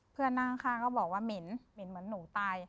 เพื่อนนั่งข้างก็บอกว่าเหม็นหมินเหมือนหนูตาย